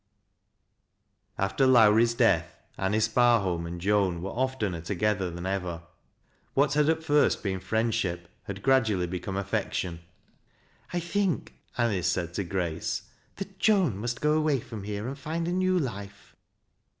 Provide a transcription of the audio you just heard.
After Lowrie's death, Anice Barholm and Joan were oftener together than ever. What had at first been frieiid ahip had gradually become affection. " I think," Anice said to Grace, " that Joan must go away from here and find a new life."